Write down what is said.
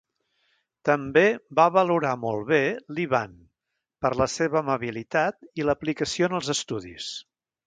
També va valorar molt bé Li Ban, per la seva amabilitat i l'aplicació en els estudis.